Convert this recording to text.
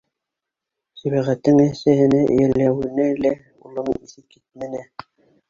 Сибәғәттең әсәһенә эйәләүенә лә улының иҫе китмәне.